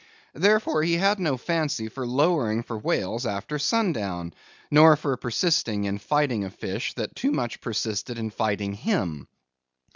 Wherefore he had no fancy for lowering for whales after sun down; nor for persisting in fighting a fish that too much persisted in fighting him.